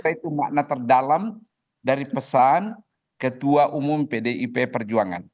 itu makna terdalam dari pesan ketua umum pdip perjuangan